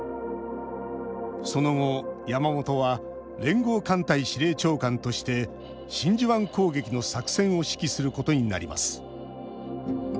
その後山本は連合艦隊司令長官として真珠湾攻撃の作戦を指揮することになります